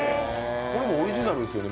これもオリジナルですよね